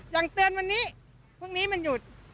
อย่างเตือนวันนี้พรุ่งนี้มันหยุด